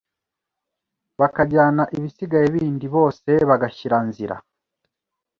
bakajyana ibisigaye bindi Bose bagashyira nzira